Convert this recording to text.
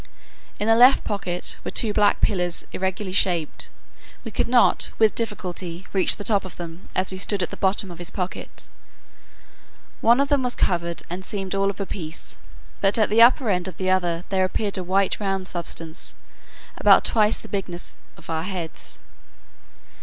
In the left pocket were two black pillars irregularly shaped: we could not, without difficulty, reach the top of them, as we stood at the bottom of his pocket. One of them was covered, and seemed all of a piece: but at the upper end of the other there appeared a white round substance, about twice the bigness of our heads.